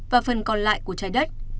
và phần còn lại của trái đất